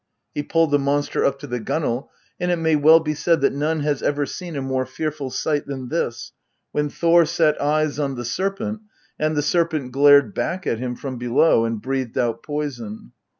He pulled the monster up to the gunwale, and it may well be said that none has ever seen a more fearful sight than this when Thor set eyes on the serpent, and the serpent glared back at him from below and breathed out poison.